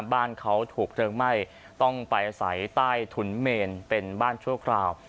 บ้านเขาถูกเพลิงไหม้ต้องไปอาศัยใต้ถุนเมนเป็นบ้านชั่วคราว